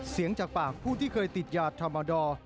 จากปากผู้ที่เคยติดยาธรรมดอร์